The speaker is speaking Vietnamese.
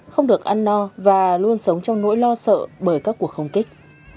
không được ăn no và luôn sống trong nỗi lo sợ bởi các cuộc không kích